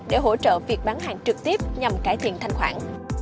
để hỗ trợ việc bán hàng trực tiếp nhằm cải thiện thanh khoản